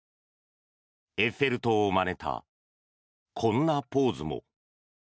エッフェル塔をまねたこんなポーズも。